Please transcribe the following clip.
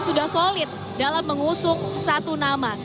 sudah solid dalam mengusung satu nama